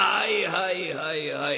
「はいはいはいはい。